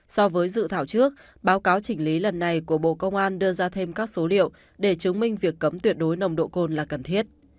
so với dự thảo trước báo cáo chỉnh lý lần này của bộ công an đưa ra thêm các số liệu để chứng minh việc cấm tuyệt đối nồng độ cồn là cần thiết